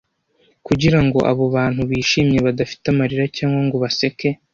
kugira ngo abo bantu bishimye badafite amarira cyangwa ngo baseke